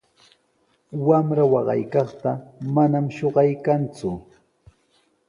Wamra waqaykaqta maman shuqaykan.